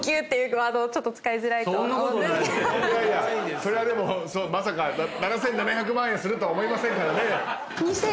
それはでもまさか７，７００万円するとは思いませんからね。